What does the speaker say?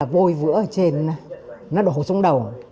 vôi vữa ở trên nó đổ xuống đầu